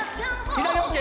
左ＯＫ